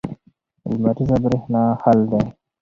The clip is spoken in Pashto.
لمریزه برېښنا حل دی.